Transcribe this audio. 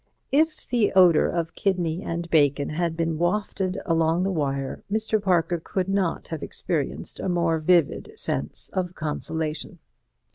If the odour of kidneys and bacon had been wafted along the wire, Mr. Parker could not have experienced a more vivid sense of consolation.